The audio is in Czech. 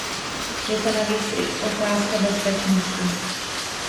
Je to navíc i otázka bezpečnosti.